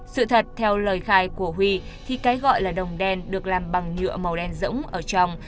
sự thật theo lời khai của huy thì cái gọi là đồng đen được làm bằng nhựa màu đen rỗng ở trong